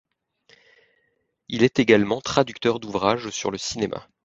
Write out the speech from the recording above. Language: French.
Il est également traducteur d'ouvrages sur le cinéma.